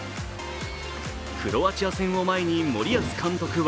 クロアチア戦を前に森保監督は